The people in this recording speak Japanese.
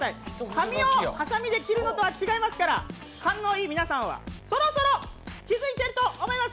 紙をはさみで切るのとは違いますから勘のいい皆さんはそろそろ気づいていると思います。